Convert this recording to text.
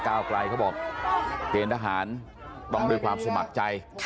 ก้าวไกลเขาบอกเกณฑ์ทหารต้องด้วยความสมัครใจ